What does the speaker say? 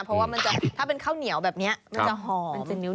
เพราะว่ามันจะถ้าเป็นข้าวเหนียวแบบนี้มันจะหอม